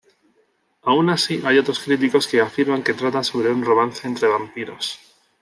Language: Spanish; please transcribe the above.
Aun así hay otros críticos que afirman que trata sobre un romance entre vampiros.